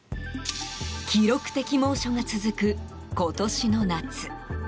記録的猛暑が続く今年の夏。